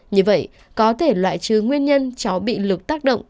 như vậy có thể loại trừ nguyên nhân cháu bị lực tác động